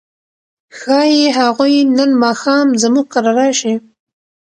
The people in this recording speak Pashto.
ښايي هغوی نن ماښام زموږ کره راشي.